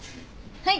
はい。